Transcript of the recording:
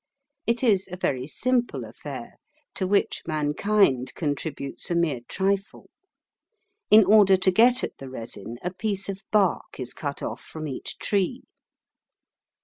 It is a very simple affair, to which mankind contributes a mere trifle. In order to get at the resin a piece of bark is cut off from each tree.